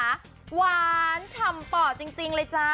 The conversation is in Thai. หวานฉ่ำป่อจริงเลยจ้า